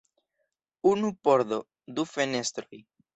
Unu pordo, du fenestroj.